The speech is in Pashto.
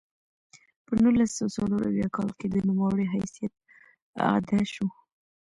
په نولس سوه څلور اویا کال کې د نوموړي حیثیت اعاده شو.